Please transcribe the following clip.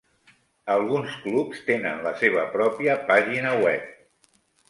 Alguns clubs tenen la seva pròpia pàgina web.